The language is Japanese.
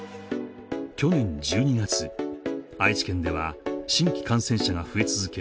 去年１２月愛知県では新規感染者が増え続け